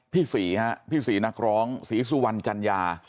พี่ศรีฮะพี่ศรีนักร้องศรีสุวรรณจัญญา